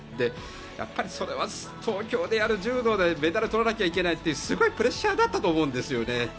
やっぱりそれは東京でやる柔道でメダルを取らなきゃいけないというすごいプレッシャーだったと思うんですよね。